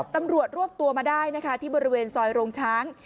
ตำรวจรวบตัวมาได้นะคะที่บริเวณซอยโรงช้าง